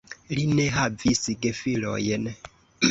Li ne havis gefilojn.